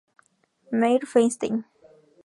Meir Feinstein".